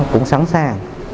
cũng sẵn sàng